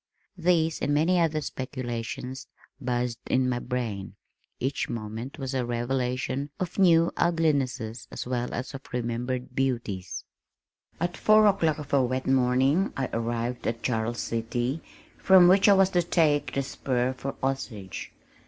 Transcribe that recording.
These and many other speculations buzzed in my brain. Each moment was a revelation of new uglinesses as well as of remembered beauties. At four o'clock of a wet morning I arrived at Charles City, from which I was to take "the spur" for Osage.